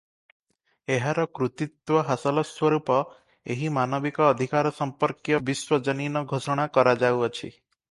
ଏହାର କୃତିତ୍ତ୍ୱ ହାସଲ ସ୍ୱରୁପ ଏହି ମାନବିକ ଅଧିକାର ସମ୍ପର୍କୀୟ ବିଶ୍ୱଜନୀନ ଘୋଷଣା କରାଯାଉଅଛି ।